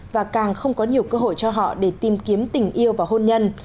và càng không có nhiều cơ hội cho họ để tìm kiếm tình yêu và hôn nhân